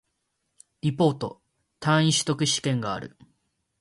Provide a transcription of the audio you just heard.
リポート、単位習得試験がある